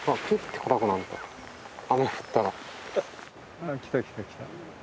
ああ来た来た来た。